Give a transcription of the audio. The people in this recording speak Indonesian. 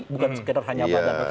bukan sekedar hanya badan